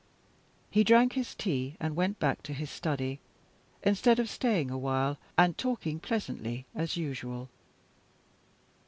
He drank his tea and went back to his study, instead of staying a while, and talking pleasantly as usual.